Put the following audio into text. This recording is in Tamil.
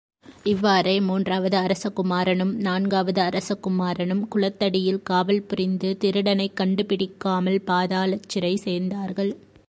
இவ்வாறே மூன்றாவது அரசகுமாரனும், நான்காவது அரசகுமாரனும் குளத்தடியில் காவல் புரிந்து திருடனைக் கண்டுபிடிக்காமல் பாதாளச்சிறை சேர்ந்தார்கள்.